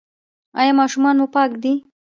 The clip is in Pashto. ایا ماشومان مو پاک دي؟